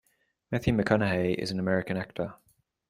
Matthew McConaughey is an American actor.